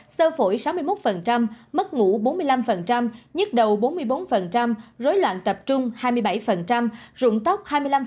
sơ phổi sáu mươi một mất ngủ bốn mươi năm nhức đầu bốn mươi bốn rối loạn tập trung hai mươi bảy rụng tóc hai mươi năm